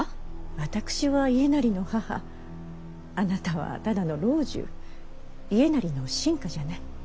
私は家斉の母あなたはただの老中家斉の臣下じゃない。